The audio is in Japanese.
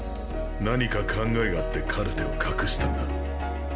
何か考えがあってカルテを隠したんだ。